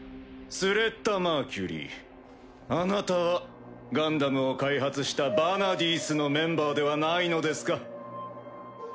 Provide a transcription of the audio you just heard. スレッタ・マーキュリーあなたはガンダムを開発したヴァナディースのメンバーではないのですか？